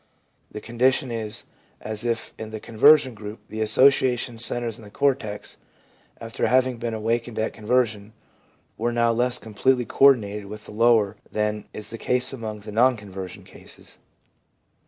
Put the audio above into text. The condition is as if in the conversion group the association centres in the cortex, after having been awakened at conversion, were now less completely co ordinated with the lower than is the case among the non conversion cases.